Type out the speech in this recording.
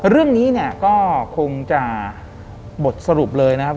เรื่องนี้เนี่ยก็คงจะบทสรุปเลยนะครับ